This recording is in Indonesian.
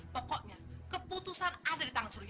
pokoknya keputusan ada di tangan surya